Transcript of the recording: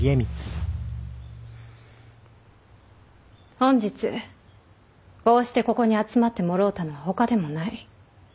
本日こうしてここに集まってもろうたのはほかでもない。